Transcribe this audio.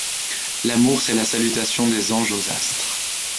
L’amour, c’est la salutation des anges aux astres.